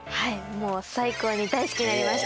もう最高に大好きになりました。